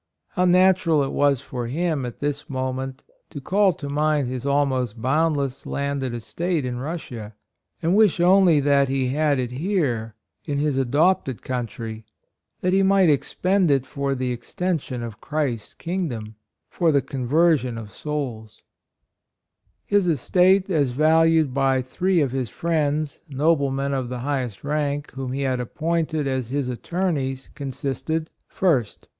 How natural it was for him, at this moment, to call to mind his almost boundless landed estate in Russia, and wish only that he had it here, in his adopted country, that he might expend it for the extension of Christ's king dom — for the conversion of souls. 5* 50 MISSIONARY CAREER, His estate as valued by three of his friends, noblemen of the highest rank, whom he had appointed as his attorneys, consisted : 1st.